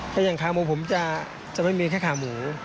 แต่อย่างขาหมูผมจะไม่มีแค่ขาหมู